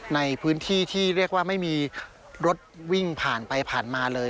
ในพื้นที่ที่เรียกว่าไม่มีรถวิ่งผ่านไปผ่านมาเลย